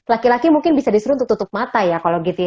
laki laki mungkin bisa disuruh untuk tutup mata ya kalau gitu ya